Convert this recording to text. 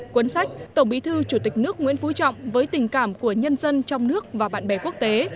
cuốn sách tổng bí thư chủ tịch nước nguyễn phú trọng với tình cảm của nhân dân trong nước và bạn bè quốc tế